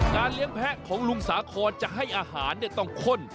เลี้ยงแพ้ของลุงสาคอนจะให้อาหารต้องข้น